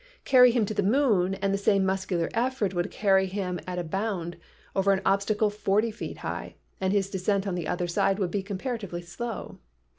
Carry him to the moon and the same muscular effort would carry him at a bound over an obstacle forty feet high and his descent on the other side would be comparatively slow.